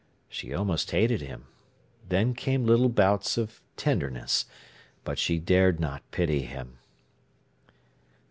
She almost hated him. Then came little bouts of tenderness. But she dared not pity him.